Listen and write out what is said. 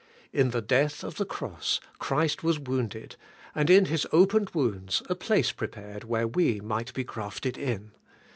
In the death of the cross Christ was wounded, and in His opened wounds a place pre pared where we might be grafted in.